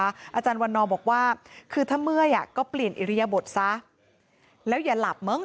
อาจารย์วันนอบอกว่าคือถ้าเมื่อยอ่ะก็เปลี่ยนอิริยบทซะแล้วอย่าหลับมั้ง